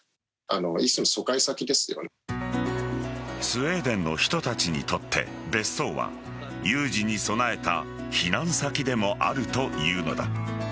スウェーデンの人たちにとって別荘は有事に備えた避難先でもあるというのだ。